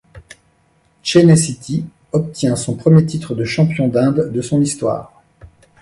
Chennai City obtient son premier titre de champion d'Inde de son histoire.